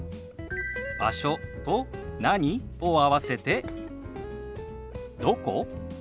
「場所」と「何？」を合わせて「どこ？」。